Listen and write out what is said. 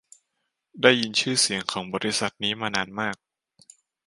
ได้ยินชื่อเสียงของบริษัทนี้มานานมาก